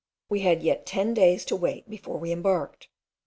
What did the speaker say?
We had yet ten days to wait before we embarked.